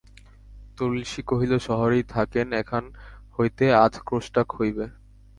তুলসী কহিল, শহরেই থাকেন, এখান হইতে আধ ক্রোশটাক হইবে।